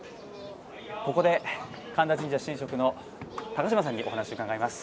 ここで神田神社神職の高島さんにお話を伺います。